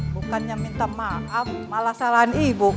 bukannya minta maaf malah salahan ibu